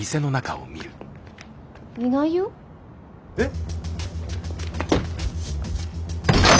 いないよ？えっ？